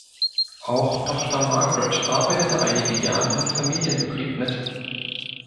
Auch Tochter Margret arbeitete einige Jahre im Familienbetrieb mit.